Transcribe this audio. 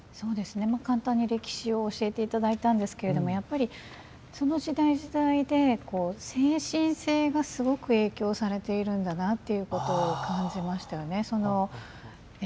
簡単に歴史を教えていただいたんですがその時代時代で精神性がすごく影響されているんだなと感じましたよね。